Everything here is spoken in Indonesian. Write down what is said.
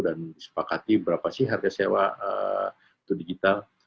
dan disepakati berapa sih harga sewa itu digital